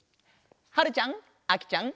はるちゃんあきちゃん